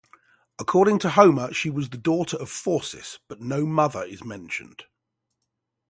According to Homer, she was the daughter of Phorcys, but no mother is mentioned.